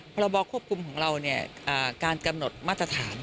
พรบควบคุมของเราการกำหนดมาตรฐาน